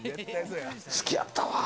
好きやったわー。